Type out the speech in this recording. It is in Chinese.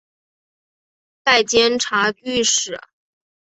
拜监察御史。